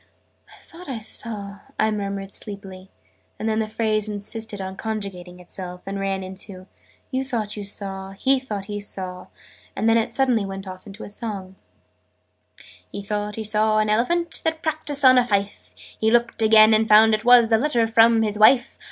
"I thought I saw " I murmured sleepily: and then the phrase insisted on conjugating itself, and ran into "you thought you saw he thought he saw " and then it suddenly went off into a song: "He thought he saw an Elephant, That practised on a fife: He looked again, and found it was A letter from his wife.